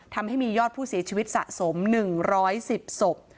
ทำให้มียอดผู้เสียชีวิตสะสม๑๑๐ศพ